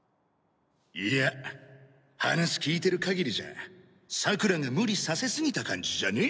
いや話聞いてる限りじゃさくらが無理させすぎた感じじゃね？